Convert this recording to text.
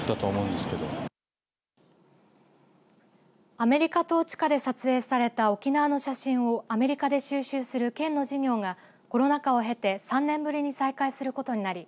アメリカ統治下で撮影された沖縄の写真をアメリカで収集する県の事業がコロナ禍を経て３年ぶりに再開することになり